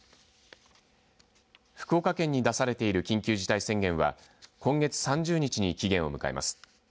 福岡県に出されている緊急事態宣言は今月３０日に期限を迎えます。